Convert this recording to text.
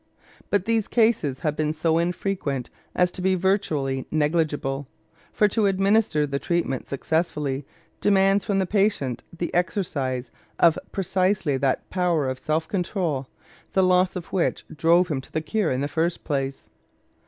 But these cases have been so infrequent as to be virtually negligible, for to administer the treatment successfully demands from the patient the exercise of precisely that power of self control the loss of which drove him to the cure in the first place.